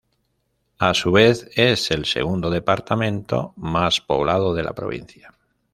A su vez es el segundo departamento más poblado de la provincia.